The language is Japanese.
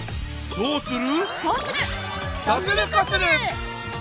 こうする！